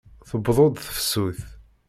Tewweḍ-d tefsut.